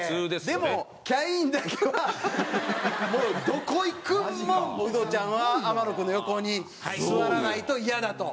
でもキャインだけはもうどこ行くのもウドちゃんは天野君の横に座らないとイヤだと。